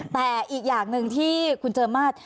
แต่อีกอย่างหนึ่งที่คุณเจอมาส